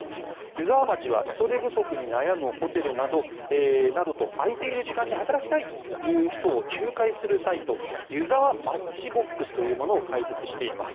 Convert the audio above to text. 湯沢町は人手不足に悩むホテルなどと空いている時間に働きたいという人を仲介するサイトゆざわマッチボックスというものを開設しています。